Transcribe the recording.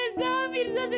mirza jangan kasih tahu